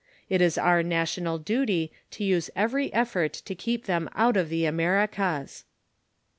It is our national duty to use every effort to keep them out of the Americas.